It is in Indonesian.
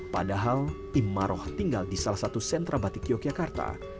padahal imaroh tinggal di salah satu sentra batik yogyakarta